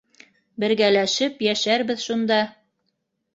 Бергәләшеп йәшәрбеҙ шунда.